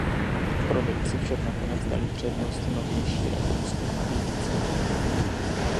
Prodejci však nakonec dali přednost novější rakouské nabídce.